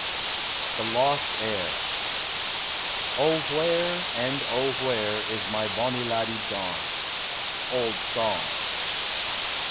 THE LOST HEIR. *' O where, ami O where Is my honnie laddie gone?"— Old Song.